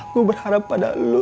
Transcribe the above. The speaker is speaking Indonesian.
gua berharap pada lu